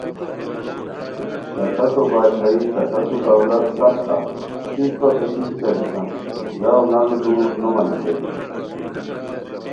تہ تتو باچھائی تہ تتو دولت سف تہ، تو اسپہ پیڅھی کیچہ بیسان! ژاؤ نانو لوؤ نو مانیتائے